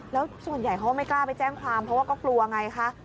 แล้วส่วนใหญ่เขาก็ไม่กล้าไปแจ้งความเพราะว่าก็กลัวไงคะ